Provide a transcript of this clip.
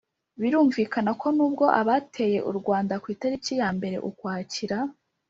birumvikana ko nubwo abateye u rwanda ku itariki ya mbere ukwakira